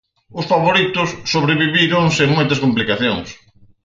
Os favoritos sobreviviron sen moitas complicacións.